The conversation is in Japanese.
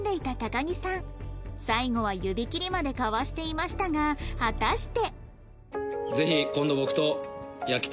最後は指切りまで交わしていましたが果たして？